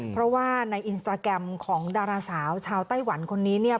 เพราะว่าในอินสตราแกรมของดาราสาวชาวไต้หวันคนนี้เนี่ย